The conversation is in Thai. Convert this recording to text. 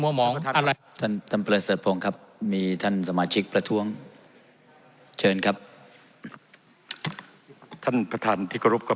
มองมองอะไรสำหรับมินทันสมาชิกประทรวงเจนครับท่านประธานที่โทษกับ